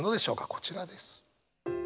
こちらです。